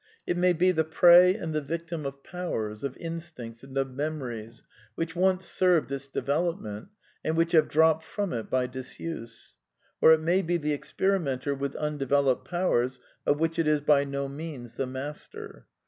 It may be the prey and the victim of powers, of instincts and of memories, which once served its development, and which have dropped from it by dis I use; or it may be the experimenter with imdeveloped •^I^wers of which it is by no means the master.